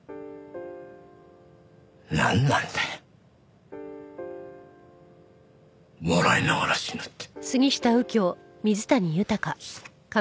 なんなんだよ笑いながら死ぬって。